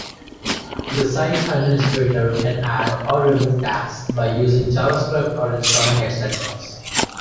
The site administrator can add or remove tabs by using JavaScript or installing extensions.